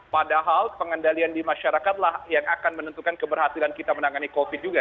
padahal pengendalian di masyarakatlah yang akan menentukan keberhasilan kita menangani covid juga